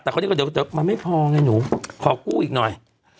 แต่เขาเรียกว่าเดี๋ยวมันไม่พอไงหนูขอกู้อีกหน่อย